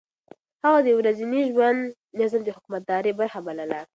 هغه د ورځني ژوند نظم د حکومتدارۍ برخه بلله.